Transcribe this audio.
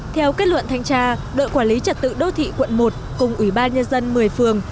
theo kết luận thanh tra đội quản lý trật tự đô thị quận một cùng ủy ban nhân dân một mươi phường